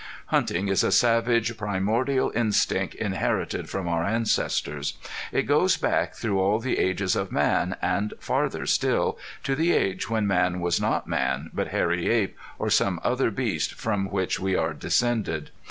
Hunting is a savage primordial instinct inherited from our ancestors. It goes back through all the ages of man, and farther still to the age when man was not man, but hairy ape, or some other beast from which we are descended.